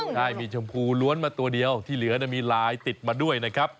ได้มีชมพูล้วนมาตัวเดียวที่เหลือมีลายติดมาด้วยนะครับ